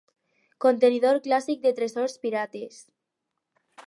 Contenidor clàssic de tresors pirates.